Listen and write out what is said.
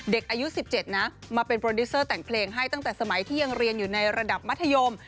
เด็กอายุ๑๗นะมาเป็นโปรดิวเซอร์แต่งเพลงให้ตั้งแต่สมัยที่ยังเรียนอยู่ในระดับมัธยม